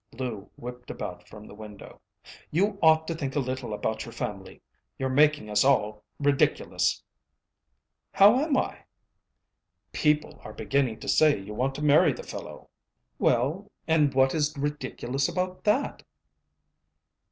Lou whipped about from the window. "You ought to think a little about your family. You're making us all ridiculous." "How am I?" "People are beginning to say you want to marry the fellow." "Well, and what is ridiculous about that?"